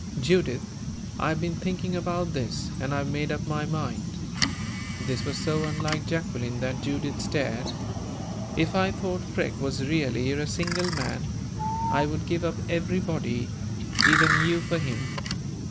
"Judith, I have been thinking about this, and I have made up my mind." This was so unlike Jacqueline that Judith stared. "If I thought Freke was really a single man, I would give up everybody even you for him.